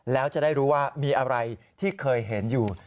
แล้วจะได้รู้ว่ามีอะไรที่เคยเห็นอยู่